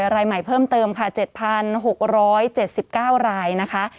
รายใหม่เพิ่มเติมค่ะ๗๖๗๙รายนะคะ